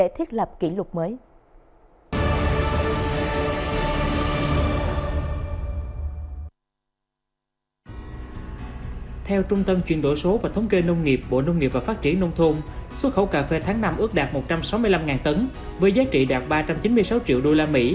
theo trung tâm chuyển đổi số và thống kê nông nghiệp bộ nông nghiệp và phát triển nông thôn xuất khẩu cà phê tháng năm ước đạt một trăm sáu mươi năm tấn với giá trị đạt ba trăm chín mươi sáu triệu usd